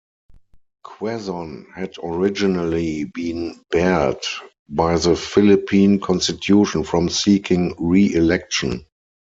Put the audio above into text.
Quezon had originally been barred by the Philippine constitution from seeking re-election.